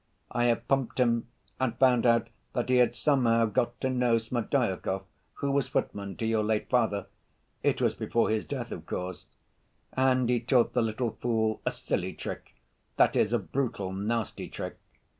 I have pumped him and found out that he had somehow got to know Smerdyakov, who was footman to your late father—it was before his death, of course—and he taught the little fool a silly trick—that is, a brutal, nasty trick.